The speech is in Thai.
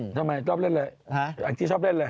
ทำไมชอบเล่นเลยแองจี้ชอบเล่นเลย